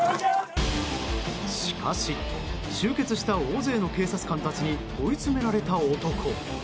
しかし、集結した大勢の警察官たちに追い詰められた男。